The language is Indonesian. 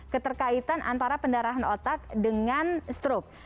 keterkaitan antara pendarahan otak dengan stroke